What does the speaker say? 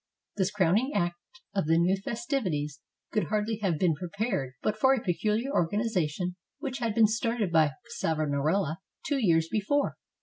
This crowning act of the new festivities could hardly have been prepared but for a pecuHar organization which had been started by Savonarola two years before.